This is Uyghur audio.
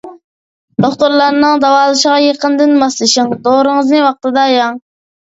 دوختۇرلارنىڭ داۋالىشىغا يېقىندىن ماسلىشىڭ، دورىڭىزنى ۋاقتىدا يەڭ.